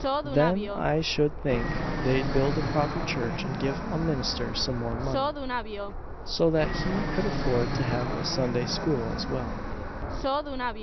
"Then I should think they'd build a proper church and give a minister some more money, so that he could afford to have a Sunday School as well."